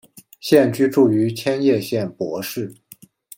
现居住于千叶县柏市。